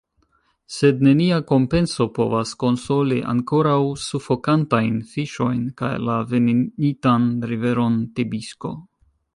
Sed nenia kompenso povas konsoli ankoraŭ sufokantajn fiŝojn kaj la venenitan riveron Tibisko.